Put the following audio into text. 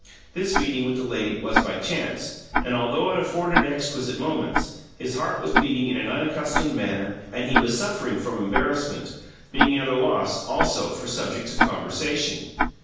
This meeting with the lady was by chance, and, although it afforded exquisite moments, his heart was beating in an unaccustomed manner, and he was suffering from embarrassment, being at a loss, also, for subjects of conversation.